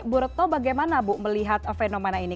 bu retno bagaimana bu melihat fenomena ini